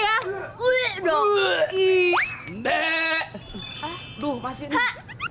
aduh masih nih